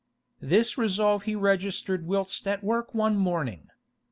This resolve he registered whilst at work one morning.